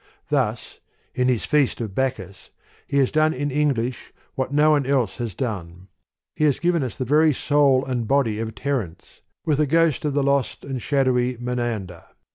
Thus, in \i\% Feast of Bacchus, he has done in Eng lish, what no one else has done : he has given us the very soul and body of Terence, with the ghost of the lost and shadowy Me nander.